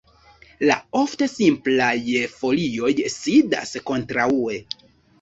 La ofte simplaj folioj sidas kontraŭe.